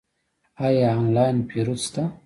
آیا آنلاین پیرود شته؟